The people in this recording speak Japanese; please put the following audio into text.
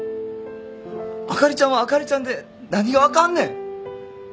あかりちゃんはあかりちゃんで何があかんねん。